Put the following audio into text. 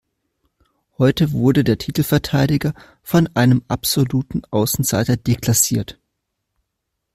Heute wurde der Titelverteidiger von einem absoluten Außenseiter deklassiert.